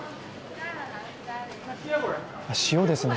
塩ですね。